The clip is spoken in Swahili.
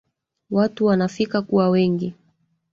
Watu wanafika kuwa wengi